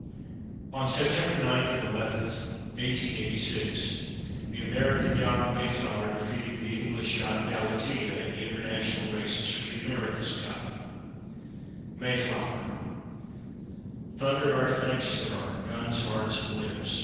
On September 9 and 11, 1886, the American yacht Mayflower defeated the English yacht Galatea in the international races for the America's cup. MAYFLOWER Thunder our thanks to her guns, hearts, and lips!